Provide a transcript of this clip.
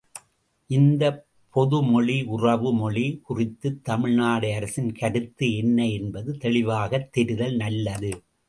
இந்தப் பொதுமொழி உறவு மொழி குறித்துத் தமிழ்நாடு அரசின் கருத்து என்ன என்பது தெளிவாகத் தெரிதல் நல்லது.